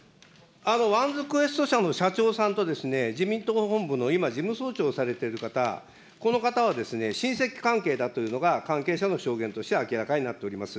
ワンズクエスト社の社長さんと、自民党本部の今、事務総長をされている方、この方は、親戚関係だというのが、関係者の証言として明らかになっております。